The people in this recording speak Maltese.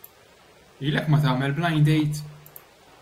Ilek ma tagħmel blind date?